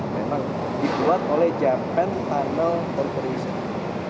memang dibuat oleh japan tunnel corporation